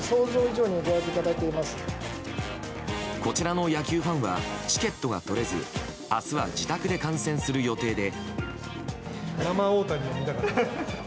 こちらの野球ファンはチケットが取れず明日は自宅で観戦する予定で。